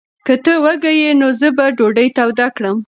که ته وږی یې، نو زه به ډوډۍ توده کړم.